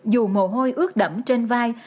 dù mồ hôi ướt đẫm trên vai